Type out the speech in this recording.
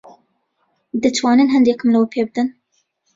دەتوانن ھەندێکم لەوە پێ بدەن؟